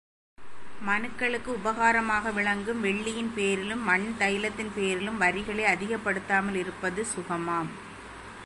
மனுக்களுக்கு உபகாரமாக விளங்கும் வெள்ளியின் பேரிலும் மண் தைலத்தின் பேரிலும் வரிகளை அதிகப்படுத்தாமலிருப்பது சுகமாம்.